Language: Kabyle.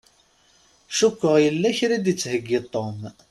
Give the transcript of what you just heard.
Cukkeɣ yella kra i d-ittheyyi Tom.